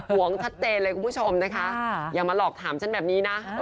วงชัดเจนเลยคุณผู้ชมนะคะอย่ามาหลอกถามฉันแบบนี้นะ